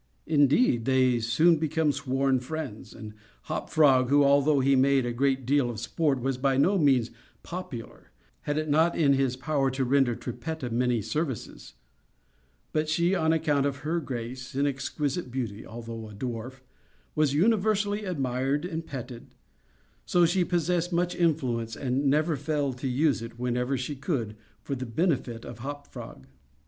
Indeed, they soon became sworn friends. Hop Frog, who, although he made a great deal of sport, was by no means popular, had it not in his power to render Trippetta many services; but she, on account of her grace and exquisite beauty (although a dwarf), was universally admired and petted; so she possessed much influence; and never failed to use it, whenever she could, for the benefit of Hop Frog.